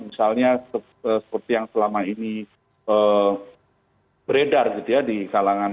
misalnya seperti yang selama ini beredar gitu ya